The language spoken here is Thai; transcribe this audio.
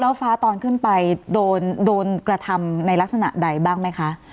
แล้วฟ้าตอนขึ้นไปโดนกระทำในลักษณะใดบ้างไหมคะ